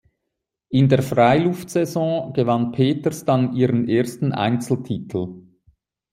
In der Freiluftsaison gewann Peters dann ihren ersten Einzeltitel.